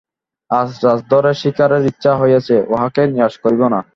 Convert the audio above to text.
আজ রাজধরের শিকারের ইচ্ছা হইয়াছে, উঁহাকে নিরাশ করিব না।